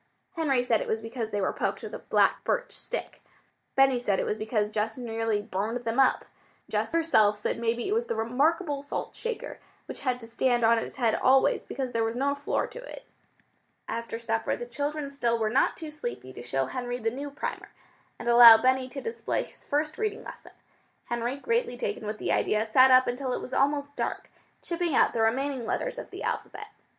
Henry said it was because they were poked with a black birch stick. Benny said it was because Jess nearly burned them up. Jess herself said maybe it was the remarkable salt shaker which had to stand on its head always, because there was no floor to it. After supper the children still were not too sleepy to show Henry the new primer, and allow Benny to display his first reading lesson. Henry, greatly taken with the idea, sat up until it was almost dark, chipping out the remaining letters of the alphabet.